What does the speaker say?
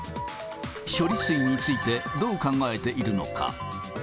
処理水について、どう考えているのか。